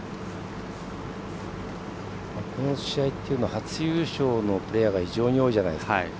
この試合というのは初優勝のプレーヤーが多いじゃないですか。